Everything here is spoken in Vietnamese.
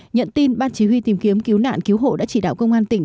nhận tin ban chỉ huy tìm kiếm cứu nạn cứu hộ đã chỉ đạo công an tỉnh